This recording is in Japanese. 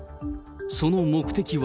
その目的は。